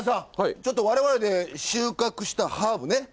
ちょっと我々で収穫したハーブね。